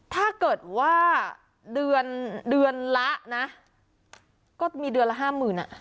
ถ้าเกิดว่าเดือนเดือนละนะก็มีเดือนละห้าหมื่นอ่ะ